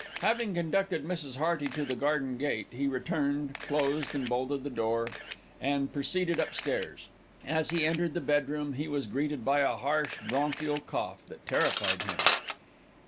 Having conducted Mrs. Hearty to the garden gate, he returned, closed and bolted the door, and proceeded upstairs. As he entered the bedroom, he was greeted by a harsh, bronchial cough that terrified him.